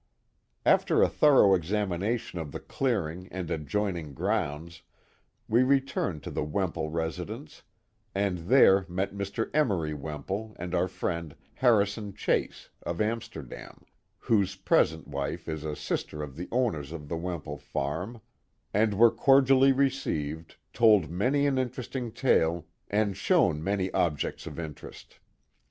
After a thorough examination of the clearing and adjoining grounds, we returned to the Wemple residence, and there met Mr. Emory Wemple and our friend Harrison Chase, of Am sterdam, whose present wife is a sister of the owners of the Wemple farm, and were cordially received, told many an in teresting tale, and shown many objects of interest.